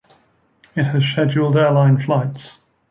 It has scheduled airline flights.